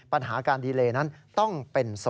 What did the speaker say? ปัญหาการดีเลนั้นต้องเป็น๒